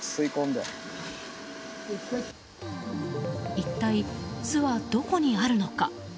一体、巣はどこにあるのか。